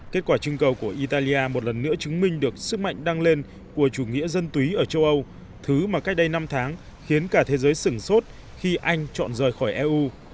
kết quả trưng cầu của italia một lần nữa chứng minh được sức mạnh đăng lên của chủ nghĩa dân túy ở châu âu thứ mà cách đây năm tháng khiến cả thế giới sửng sốt khi anh chọn rời khỏi eu